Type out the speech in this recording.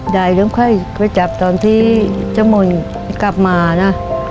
ได้เรื่องค่ากล้วยจับตอนที่เจ้าหมันกลับมานะ